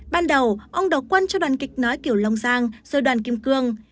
ban đầu ông đột quân cho đoàn kịch nói kiểu long giang rồi đoàn kim cương